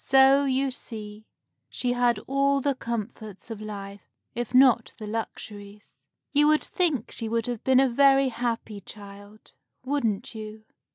So, you see, she had all the comforts of life, if not the luxuries. You would think she would have been a very happy child, wouldn't you?